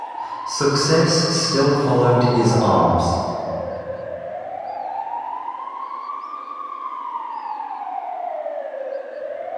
Success still followed his arms.